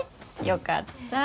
よかった。